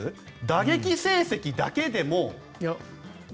打撃成績だけでも。